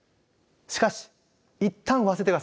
しかし一旦忘れて下さい。